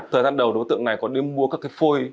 thời gian đầu đối tượng này có đến mua các phôi